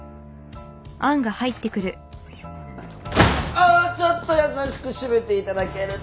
あぁちょっと優しく閉めていただけると。